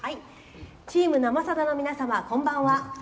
「チーム生さだの皆様こんばんは。